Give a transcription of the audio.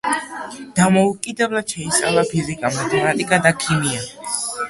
დამოუკიდებლად შეისწავლა ფიზიკა, მათემატიკა და ქიმია.